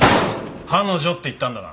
「彼女」って言ったんだな？